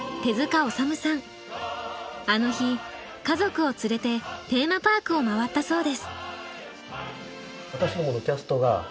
家族を連れてテーマパークを回ったそうです。